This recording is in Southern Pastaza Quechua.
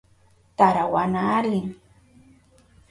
Tarawana alim.